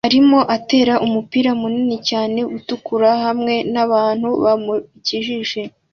arimo atera umupira munini cyane utukura hamwe nabantu bamukikije